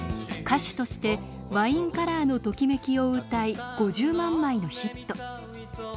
歌手として「ワインカラーのときめき」を歌い５０万枚のヒット。